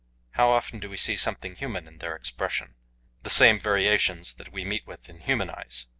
How often do we see something "human" in their expression, the same variations that we meet with in human eyes.